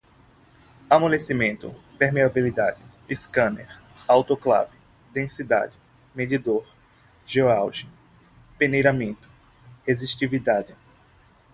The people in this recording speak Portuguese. amolecimento, permeabilidade, scanner, autoclave, densidade, medidor, geoauge, peneiramento, resistividade